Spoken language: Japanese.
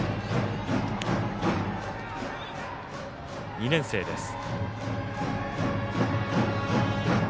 ２年生です。